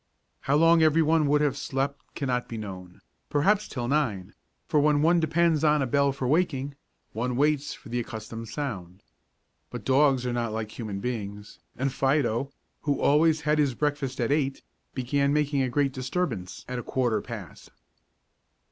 How long every one would have slept can not be known, perhaps till nine, for when one depends on a bell for waking, one waits for the accustomed sound. But dogs are not like human beings, and Fido, who always had his breakfast at eight, began making a great disturbance at a quarter past.